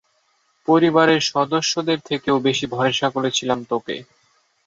পরিবারের সদস্যদের থেকেও বেশি ভরসা করেছিলাম তোকে।